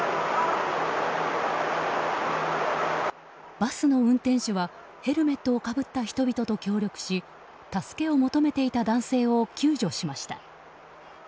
バスの運転手はヘルメットをかぶった人々と協力し助けを求めていた男性を救助しました。